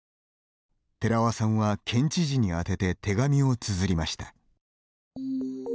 寺輪さんは県知事に宛てて手紙をつづりました。